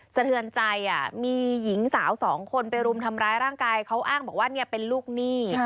สะเทือนใจมีหญิงสาวสองคนไปรุมทำร้ายร่างกายเขาอ้างบอกว่าเป็นลูกหนี้